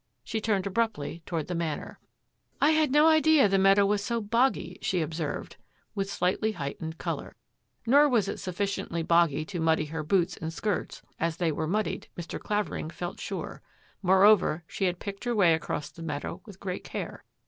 She turned abruptly toward the Manor. " I had no idea the meadow was so boggy," she observed, with slightly heightened colour. Nor was it sufficiently boggy to muddy her boots and skirts as they were muddied, Mr. Clavering felt sure. Moreover, she had picked her way across the meadow with great care.